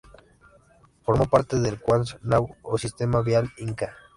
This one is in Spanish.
Formó parte del Qhapaq Ñan o sistema vial inca.